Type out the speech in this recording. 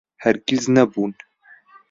هەرگیز نەبوون.